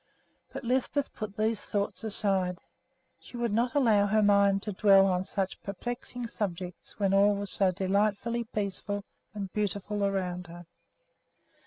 But Lisbeth put these thoughts aside, she would not allow her mind to dwell on such perplexing subjects when all was so delightfully peaceful and beautiful around her.